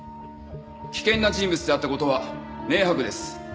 危険な人物であった事は明白です。